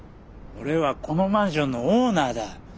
俺はこのマンションのオーナーだ。